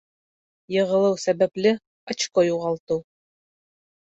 Йығылыу сәбәпле очко юғалтыу